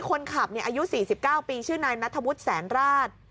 คนขับอายุ๔๙ปีชื่อนายนัทธวุฒิแสนราช